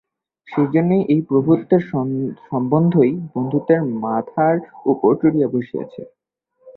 সেইজন্যেই এই প্রভুত্বের সম্বন্ধই বন্ধুত্বের মাথার উপর চড়িয়া বসিয়াছে।